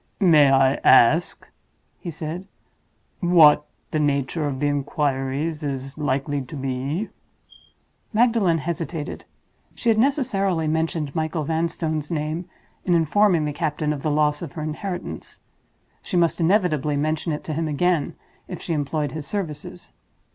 "May I ask," he said, "what the nature of the inquiries is likely to be?" Magdalen hesitated. She had necessarily mentioned Michael Vanstone's name in informing the captain of the loss of her inheritance. She must inevitably mention it to him again if she employed his services.